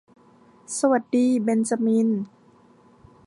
สวัสดีเบ็นจามิน